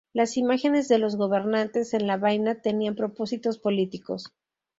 Las imágenes de los gobernantes en la vaina tenían propósitos políticos.